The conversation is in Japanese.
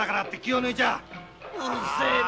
うるせえな。